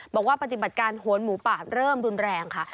ปฏิบัติการโหนหมูป่าเริ่มรุนแรงค่ะ